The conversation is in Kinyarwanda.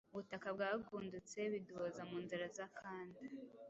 ubutaka bwagundutse, biduhoza mu nzara z’akanda,